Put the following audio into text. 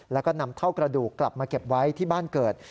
แล้วก็นำเท่ากระดูกกลับมาเก็บไว้ที่บ้านเกิด